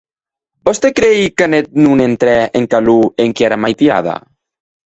Vòs te creir qu’anet non entrè en calor enquiara maitiada?